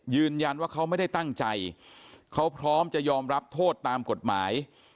ยืนยันว่าเขาไม่ได้ตั้งใจเขาพร้อมจะยอมรับโทษตามกฎหมาย